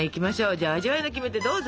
じゃあ味わいのキメテどうぞ！